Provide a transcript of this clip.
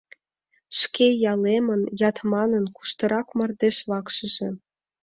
Шке ялемын, Ятманын, куштырак мардежвакшыже?